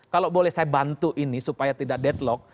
kalau boleh saya bantu ini supaya tidak deadlock